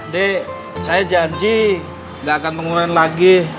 dik saya janji nggak akan mengulang lagi